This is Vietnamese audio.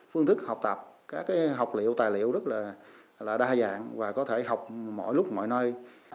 phương thức học tập các học liệu tài liệu rất là đa dạng và có thể học mọi lúc mọi nơi